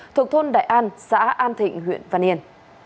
thuộc thôn đại an xã an thịnh huyện văn yên